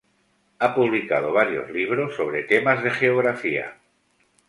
Ha publicado varios libros sobre temas de geografía.